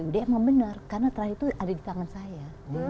dia emang benar karena terah itu ada di tangan saya